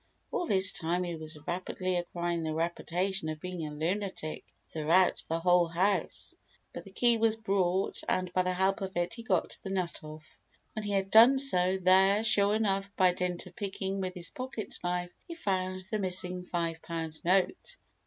All this time he was rapidly acquiring the reputation of being a lunatic throughout the whole house, but the key was brought, and by the help of it he got the nut off. When he had done so, there, sure enough, by dint of picking with his pocket knife, he found the missing five pound note.